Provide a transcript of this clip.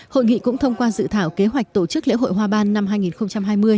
hội nghị cũng thông qua dự thảo kế hoạch tổ chức lễ hội hoa ban năm hai nghìn hai mươi